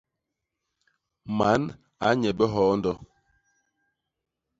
Man a nnye bihoondo.